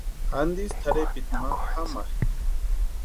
¿Antisï tʼarhepiti ma jamakʼi?